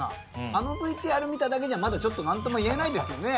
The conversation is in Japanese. あのＶＴＲ見ただけじゃまだちょっと何とも言えないですよね。